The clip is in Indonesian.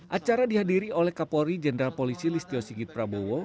acara dihadiri oleh kapolri jenderal polisi listio sigit prabowo